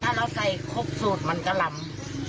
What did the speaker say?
ถ้าเราใส่ครบสูตรมันก็ล้ำ